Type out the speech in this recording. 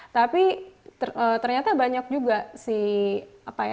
tapi ternyata banyak juga tantangannya